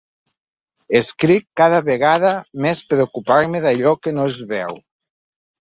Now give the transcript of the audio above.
Escric cada vegada més per ocupar-me d’allò que no es veu.